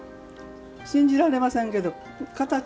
信じられませんけど。